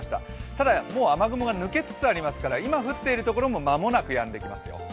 ただ、もう雨雲が抜けつつありますから、今降っている所も間もなく、やんできますよ。